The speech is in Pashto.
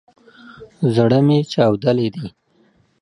زړه مي چاودلی دی